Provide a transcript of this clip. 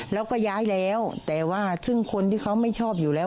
แล้วก็ย้ายแล้วแต่ว่าซึ่งคนที่เขาไม่ชอบอยู่แล้ว